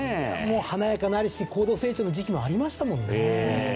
華やかなりし高度成長の時期もありましたもんね。